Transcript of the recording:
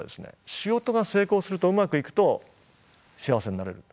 仕事が成功するとうまくいくと幸せになれる。